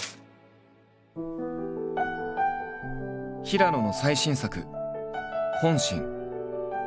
平野の最新作「本心」。